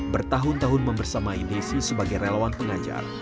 bertahun tahun membersamai desi sebagai relawan pengajar